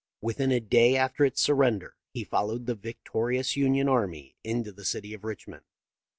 Within a day after its surrender he followed the victorious Union army into the city of Richmond.